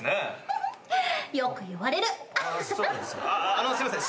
あのすいません。